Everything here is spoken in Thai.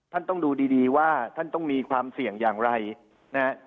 ท่านต้องดูดีดีว่าท่านต้องมีความเสี่ยงอย่างไรนะฮะ